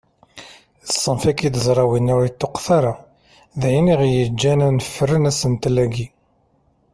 Ṣṣenf-agi n tezrawin ur yeṭṭuqet ara, d ayen aɣ-yeǧǧen ad d-nefren asentel-agi.